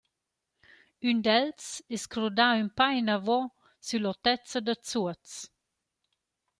Ün d’els es crodà ün pa inavo süll’otezza da Zuoz.